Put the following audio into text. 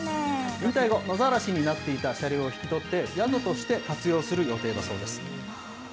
引退後、野ざらしになっていた車両を引き取って、宿として活用する予定だそうです。